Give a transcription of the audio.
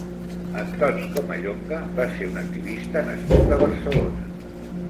Antoni Comallonge va ser un activista nascut a Barcelona.